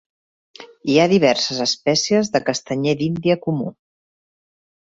Hi ha diverses espècies de castanyer d'Índia comú.